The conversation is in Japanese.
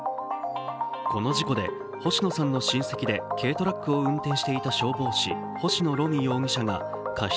この事故で星野さんの親戚で軽トラックを運転していた消防士・星野蕗海容疑者が過失